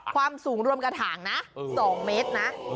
ความสูงรวมกระถางนะ๒เมตรนะ